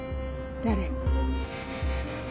誰？